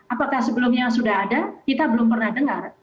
apakah sebelumnya sudah ada kita belum pernah dengar